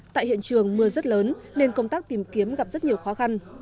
tại hiện trường mưa rất lớn nên công tác tìm kiếm gặp rất nhiều khó khăn